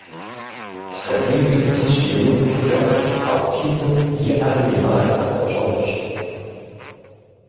Сабийр илъэсищ иримыкъу щӀыкӀэ аутизм иӀэрэ имыӀэрэ къыпхуэщӀэнущ.